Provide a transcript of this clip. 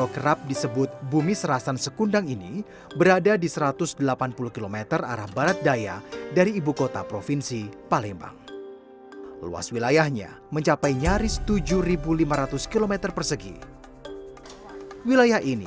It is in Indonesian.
kabupaten muara ini